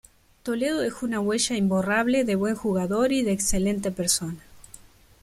Toledo dejó una huella imborrable de buen jugador y de excelente persona.